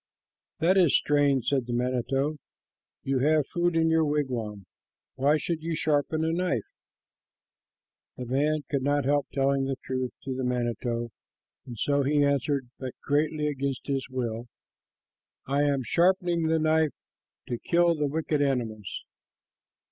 "That is strange," said the manito, "You have food in your wigwam. Why should you sharpen a knife?" The man could not help telling the truth to the manito, and so he answered, but greatly against his will, "I am sharpening the knife to kill the wicked animals."